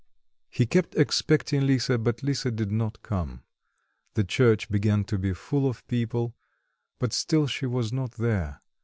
He kept expecting Lisa, but Lisa did not come. The church began to be full of people; but still she was not there.